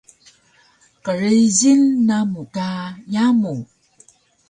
qrijil namu ka yamu